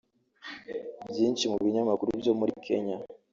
Byinshi mu binyamakuru byo muri Kenya